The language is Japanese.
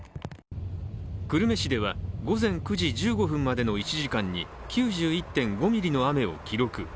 久留米市では午前９時１５分までの１時間に９１．５ミリの雨を記録。